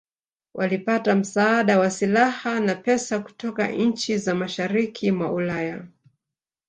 Walipata msaada wa silaha na pesa kutoka nchi za mashariki mwa Ulaya